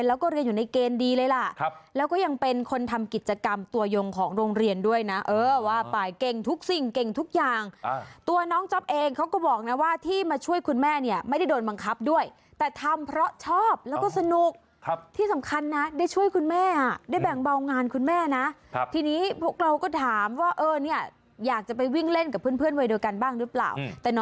แล้วก็เรียนอยู่ในเกณฑ์ดีเลยล่ะแล้วก็ยังเป็นคนทำกิจกรรมตัวยงของโรงเรียนด้วยนะเออว่าไปเก่งทุกสิ่งเก่งทุกอย่างตัวน้องจ๊อปเองเขาก็บอกนะว่าที่มาช่วยคุณแม่เนี่ยไม่ได้โดนบังคับด้วยแต่ทำเพราะชอบแล้วก็สนุกที่สำคัญนะได้ช่วยคุณแม่ได้แบ่งเบางานคุณแม่นะทีนี้พวกเราก็ถามว่าเออเนี่ยอยากจะไปวิ่งเล่นกับเพื่อนวัยเดียวกันบ้างหรือเปล่า